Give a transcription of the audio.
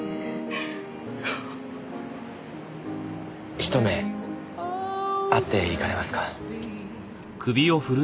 ひと目会っていかれますか？